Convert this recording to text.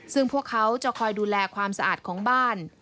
ซึ่งพวกเขาจะคอยดูแลความสะอาดของบ้าน